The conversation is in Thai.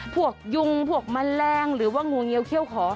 พวกยุงพวกมันแรงหรือว่างูเงียวเขี้ยวขอ